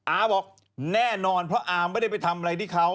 อาบอกแน่นอนเพราะอาไม่ได้ไปทำอะไรที่เขา